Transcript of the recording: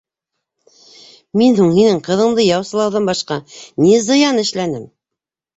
Мин һуң һинең ҡыҙыңды яусылауҙан башҡа ни зыян эшләнем?